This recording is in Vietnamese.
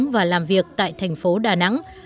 học tập và làm việc tại tp đà nẵng